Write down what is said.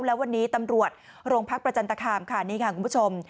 และวันนี้ตำรวจโรงพักประจันตคามค่ะนี่ค่ะคุณผู้ชม